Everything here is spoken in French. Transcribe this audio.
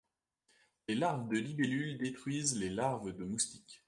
Les larves de libellules détruisent les larves de moustiques.